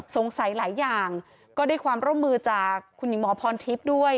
หลายอย่างก็ได้ความร่วมมือจากคุณหญิงหมอพรทิพย์ด้วย